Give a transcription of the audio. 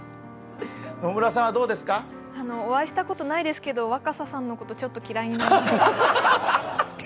お会いしたことないですけど若狭さんのこと、ちょっと嫌いになりました。